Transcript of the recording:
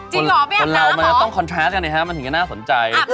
จริงเหรอไม่อาจมั้ยหรอกหรอกคนเราจะต้องคอนทราสต์กันไงฮะมันถึงก็น่าสนใจ